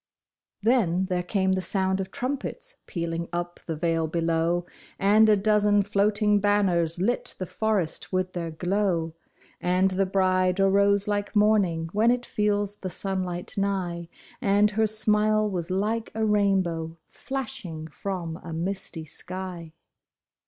Then there came the sound of trumpets pealing up the vale below, And a dozen floating banners lit the forest with their glow, And the bride arose like morning, v/hen it feels the sunlight nigh, And her smile was like a rainbow flashing from a misty sky.